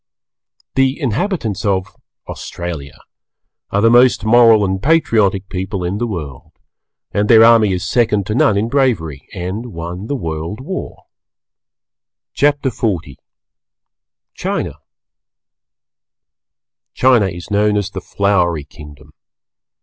The inhabitants of Australia are the most Moral and Patriotic people in the World, and their army is second to none in bravery and won the World War. CHAPTER XL CHINA China is known as the Flowery Kingdom.